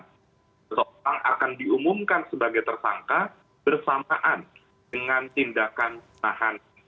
soal penindakan akan diumumkan sebagai tersangka bersamaan dengan tindakan penahan